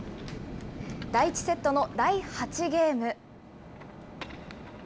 第１セットの第８ゲーム。